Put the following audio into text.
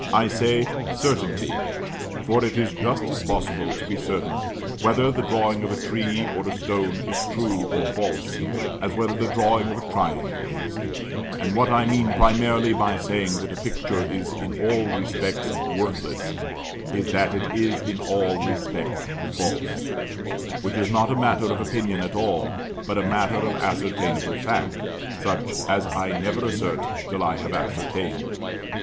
I say "certainty," for it is just as possible to be certain whether the drawing of a tree or a stone is true or false, as whether the drawing of a triangle is; and what I mean primarily by saying that a picture is in all respects worthless, is that it is in all respects False: which is not a matter of opinion at all, but a matter of ascertainable fact, such as I never assert till I have ascertained.